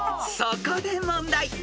［そこで問題］